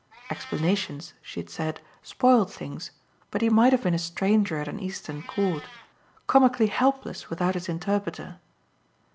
Explanations, she had said, spoiled things, but he might have been a stranger at an Eastern court comically helpless without his interpreter.